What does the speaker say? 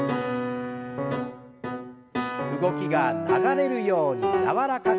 動きが流れるように柔らかく。